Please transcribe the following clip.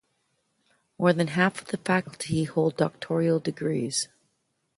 More than half of the faculty hold doctoral degrees.